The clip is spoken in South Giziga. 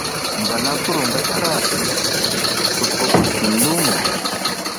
Dana ki ru ngatara, kutuko pas hin lumo.